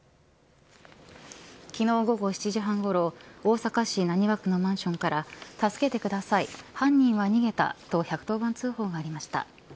昨日午後７時半ごろ大阪市浪速区のマンションから助けてください、犯人は逃げたと１１０番通報がありました。